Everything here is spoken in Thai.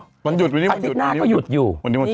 อาทิตย์หน้าก็หยุดอยู่